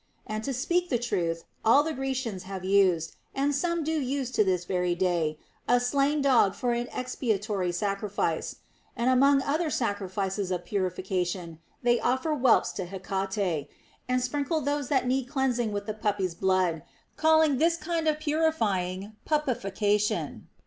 And to speak the truth, all the Grecians have used, and some do use to this very day, a slain dog for an expiatory sacrifice ; and among other sacrifices of pnrifica tion, they offer whelps to Hecate, and sprinkle those that need cleansing with the puppy's blood, calling this kind of purifying puppification.